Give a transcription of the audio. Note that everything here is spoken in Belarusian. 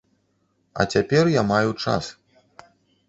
А цяпер я маю час.